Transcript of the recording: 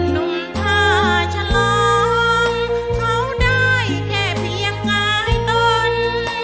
หนุ่มผ้าฉลองเขาได้แค่เพียงงายตน